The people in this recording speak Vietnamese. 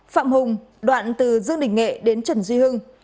phạm hùng đoạn từ dương đình nghệ đến trần duy hưng